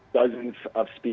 jadi kami membawa